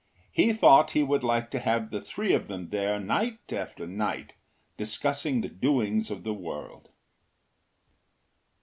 He thought he would like to have the three of them there night after night discussing the doings of the world.